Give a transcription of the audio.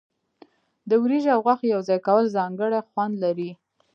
د وریجې او غوښې یوځای کول ځانګړی خوند لري.